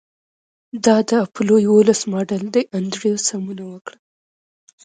دا د اپولو یوولس ماډل دی انډریو سمونه وکړه